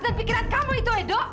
dan pikiran kamu itu edo